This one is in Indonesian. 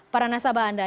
para nasabah anda